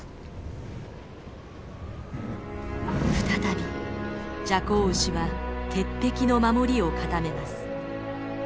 再びジャコウウシは鉄壁の守りを固めます。